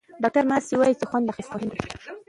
ډاکټره ماسي وايي چې خوند اخیستل مهم دي.